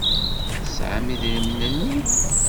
Tesɛam idrimen-nni?